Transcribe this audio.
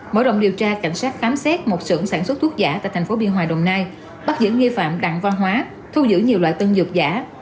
mở rộng điều tra cảnh sát khám xét một sưởng sản xuất thuốc giả tại thành phố biên hòa đồng nai bắt giữ nghi phạm đặng văn hóa thu giữ nhiều loại tân dược giả